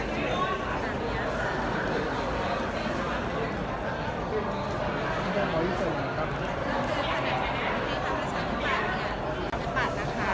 ดูกันไปอันตรายเราะ